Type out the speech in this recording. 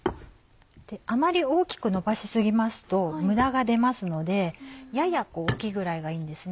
あまり大きくのばし過ぎますとムラが出ますのでやや大きいぐらいがいいんです。